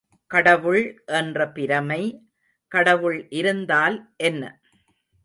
கடவுள் என்ற பிரமை கடவுள் இருந்தால் என்ன?